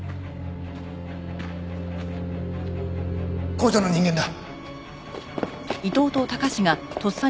工場の人間だ。